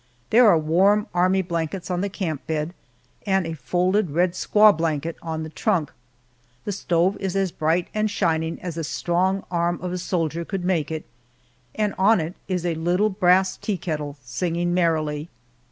There are warm army blankets on the camp bed, and a folded red squaw blanket on the trunk. The stove is as bright and shining as the strong arm of a soldier could make it, and on it is a little brass teakettle singing merrily.